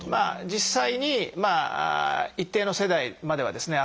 実際に一定の世代まではですね